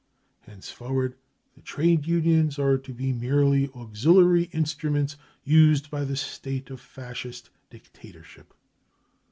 Henceforward the trade unions are to be merely auxiliary instruments used by the State of Fascist dictatorship.